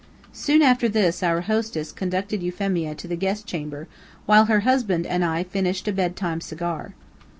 Soon after this our hostess conducted Euphemia to the guest chamber, while her husband and I finished a bed time cigar.